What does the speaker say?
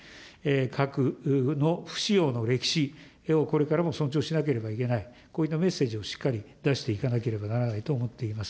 核の不使用の歴史をこれからも尊重しなければいけない、こういったメッセージをしっかり出していかなければならないと思っています。